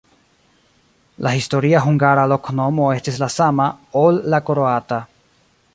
La historia hungara loknomo estis la sama, ol la kroata.